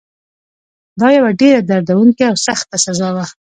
دا یوه ډېره دردونکې او سخته سزا وه.